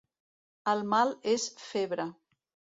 El mal és febre.